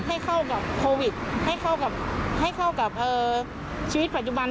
ให้เข้ากับโควิดให้เข้ากับชีวิตปัจจุบัน